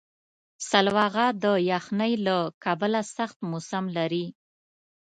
سلواغه د یخنۍ له کبله سخت موسم لري.